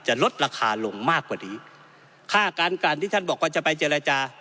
ลดราคาลงมากกว่านี้ค่าการกันที่ท่านบอกว่าจะไปเจรจา